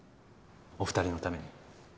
お２人のために。